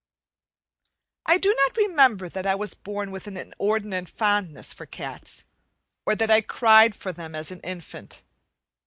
I do not remember that I was born with an inordinate fondness for cats; or that I cried for them as an infant.